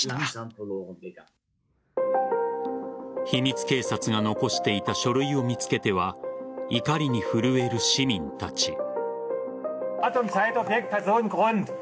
秘密警察が残していた書類を見つけては怒りに震える市民たち。